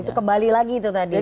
itu kembali lagi itu tadi ya